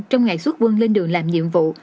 trong ngày xuất quân lên đường làm nhiệm vụ